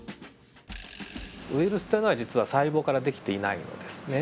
ウイルスっていうのは実は細胞からできていないのですね。